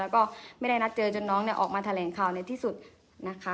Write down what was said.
แล้วก็ไม่ได้นัดเจอจนน้องออกมาแถลงข่าวในที่สุดนะคะ